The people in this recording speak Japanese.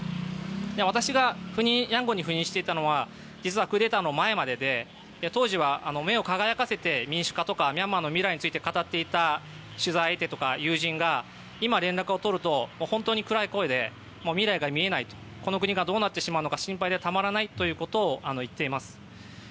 私がヤンゴンに赴任していたのは実はクーデターの前までで当時は目を輝かせて民主化とかミャンマーの未来を語っていた取材相手とか友人が、今、連絡を取ると本当に暗い声で未来が見えないこの国がどうなるか心配でたまらないと言っています。